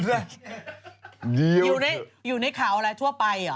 หื้ม